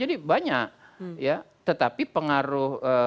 jadi banyak ya tetapi pengaruh